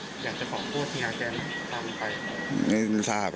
อยากจะบอกพวกที่อาจารย์ตามไป